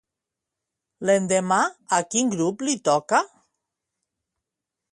L'endemà a quin grup li toca?